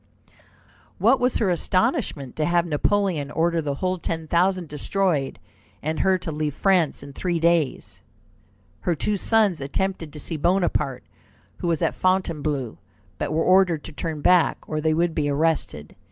What was her astonishment to have Napoleon order the whole ten thousand destroyed, and her to leave France in three days! Her two sons attempted to see Bonaparte, who was at Fontainebleau, but were ordered to turn back, or they would be arrested.